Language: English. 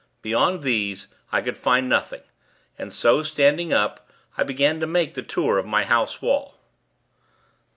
Beyond these, I could find nothing; and so, standing up, I began to make the tour of the house wall.